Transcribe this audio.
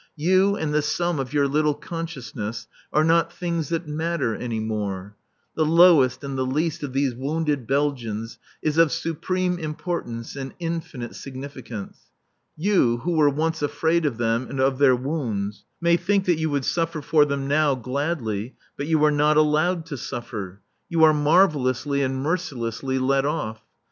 You and the sum of your little consciousness are not things that matter any more. The lowest and the least of these wounded Belgians is of supreme importance and infinite significance. You, who were once afraid of them and of their wounds, may think that you would suffer for them now, gladly; but you are not allowed to suffer; you are marvellously and mercilessly let off.